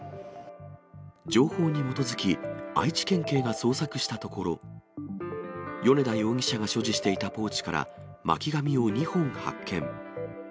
情報に基づき、愛知県警が捜索したところ、米田容疑者が所持していたポーチから、巻紙を２本発見。